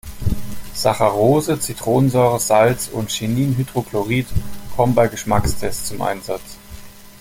Saccharose, Zitronensäure, Salz und Chininhydrochlorid kommen bei Geschmackstests zum Einsatz.